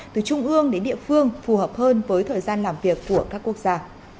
từ trung ương đến địa phương phù hợp hơn với thời gian làm việc của các quốc gia